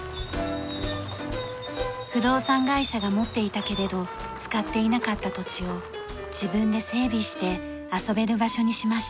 不動産会社が持っていたけれど使っていなかった土地を自分で整備して遊べる場所にしました。